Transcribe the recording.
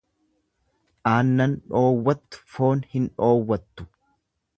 Aannan dhoowwattu foon hin dhoowwattu.